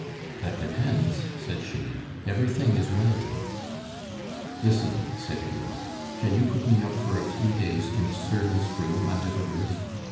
"That depends," said she; "everything is relative." "Listen," said Hulot; "can you put me up for a few days in a servant's room under the roof?